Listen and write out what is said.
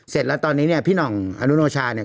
เสร็จแล้วตอนนี้เนี่ยพี่หน่องอนุโนชาเนี่ย